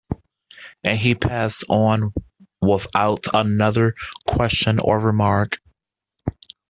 And he passed on without another question or remark.